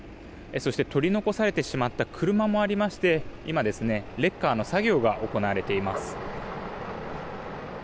そして、取り残されてしまった車もありまして今、レッカーの作業が行われています。